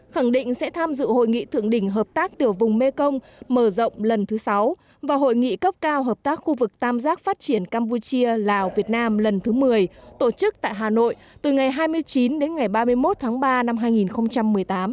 khẳng định sẽ tham dự hội nghị thượng đỉnh hợp tác tiểu vùng mekong mở rộng lần thứ sáu và hội nghị cấp cao hợp tác khu vực tam giác phát triển campuchia lào việt nam lần thứ một mươi tổ chức tại hà nội từ ngày hai mươi chín đến ngày ba mươi một tháng ba năm hai nghìn một mươi tám